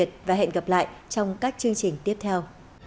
xin kính chào và hẹn gặp lại trong các chương trình tiếp theo